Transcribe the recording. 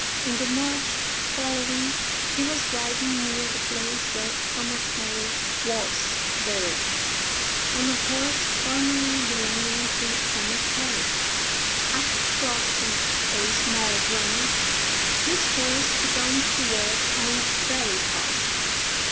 In the March following he was riding near the place where Thomas Harris was buried, on a horse formerly belonging to Thomas Harris. After crossing a small branch, his horse began to walk on very fast.